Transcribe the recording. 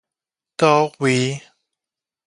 佗位